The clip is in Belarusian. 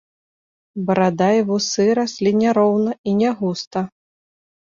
Барада і вусы раслі няроўна і нягуста.